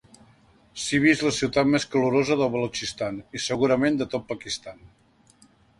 Sibi és la ciutat més calorosa del Balutxistan i segurament de tot Pakistan.